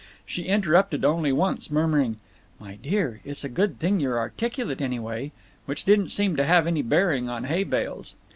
She interrupted only once, murmuring, "My dear, it's a good thing you're articulate, anyway—" which didn't seem to have any bearing on hay bales.